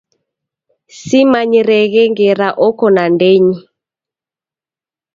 Simanyireghe ngera oko nandenyi